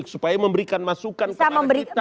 supaya memberikan masukan kepada kita